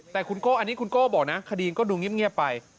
แต่คุณโก้อันนี้คุณโก้บอกนะคดีก็ดูเงียบไป